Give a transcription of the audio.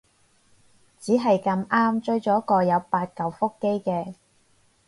只係咁啱追咗個有八舊腹肌嘅